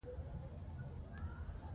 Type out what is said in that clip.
افغانستان د خاوره له مخې پېژندل کېږي.